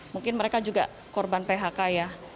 mungkin mereka juga korban phk ya